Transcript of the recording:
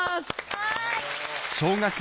はい！